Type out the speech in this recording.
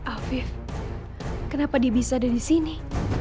afif kenapa dia bisa ada di sini